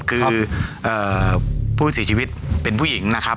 คือผู้เสียชีวิตเป็นผู้หญิงนะครับ